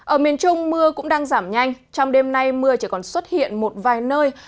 ở miền trung mưa cũng đang giảm nhanh trong đêm nay mưa chỉ còn xuất hiện một vài nơi